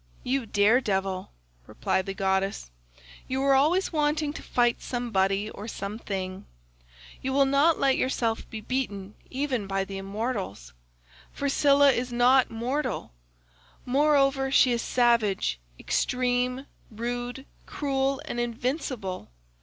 "'You dare devil,' replied the goddess, 'you are always wanting to fight somebody or something; you will not let yourself be beaten even by the immortals. For Scylla is not mortal; moreover she is savage, extreme, rude, cruel and invincible.